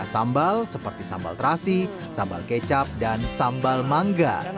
sambal seperti sambal terasi sambal kecap dan sambal mangga